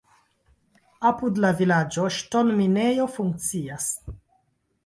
Apud la vilaĝo ŝtonminejo funkcias.